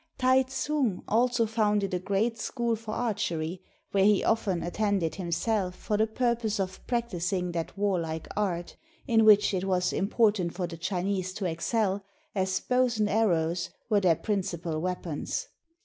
Tai tsung also founded a great school for archery, where he often at tended himself for the purpose of practicing that warlike art, in which it was important for the Chinese to excel, as bows and arrows were their principal weapons.